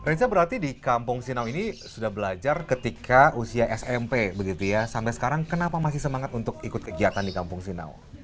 reza berarti di kampung sinaw ini sudah belajar ketika usia smp begitu ya sampai sekarang kenapa masih semangat untuk ikut kegiatan di kampung sinaw